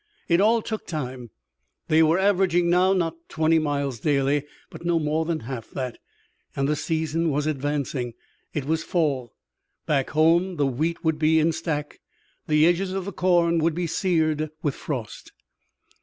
It all took time. They were averaging now not twenty miles daily, but no more than half that, and the season was advancing. It was fall. Back home the wheat would be in stack, the edges of the corn would be seared with frost.